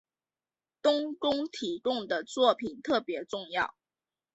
冬宫提供的作品特别重要。